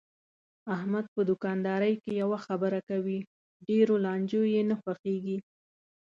احمد په دوکاندارۍ کې یوه خبره کوي، ډېرو لانجې یې نه خوښږي.